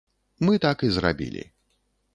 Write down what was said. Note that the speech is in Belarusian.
Мы так і зрабілі.